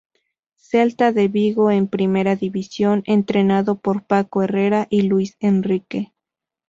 Celta de Vigo en Primera División, entrenado por Paco Herrera y Luis Enrique.